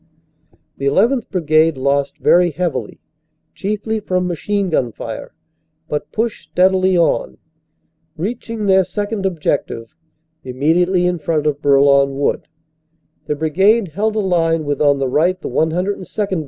The 1 1th. Brigade lost very heavily, chiefly from machine gun fire, but pushed steadily on. Reaching their second ob jective, immediately in front of Bourlon Wood, the brigade held a line with on the right the 102nd.